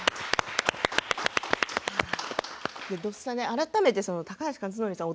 改めて、高橋克典さん